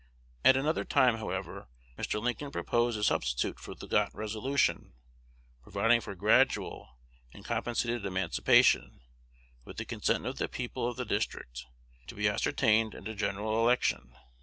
At another time, however, Mr. Lincoln proposed a substitute for the Gott resolution, providing for gradual and compensated emancipation, with the consent of the people of the District, to be ascertained at a general election.